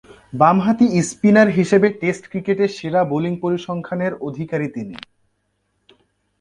বামহাতি স্পিনার হিসেবে টেস্ট ক্রিকেটে সেরা বোলিং পরিসংখ্যানের অধিকারী তিনি।